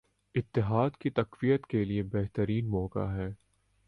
اتحاد کی تقویت کیلئے بہترین موقع ہے